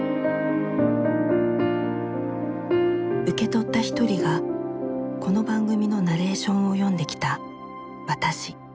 受け取った一人がこの番組のナレーションを読んできた私。